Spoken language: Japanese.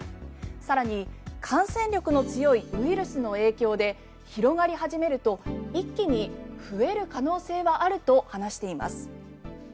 更に感染力の強いウイルスの影響で広がり始めると一気に増える可能性があると話しています。